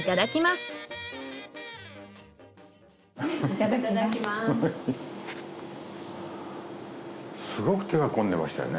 すごく手が込んでましたよね。